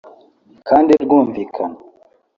kandi ryumvikana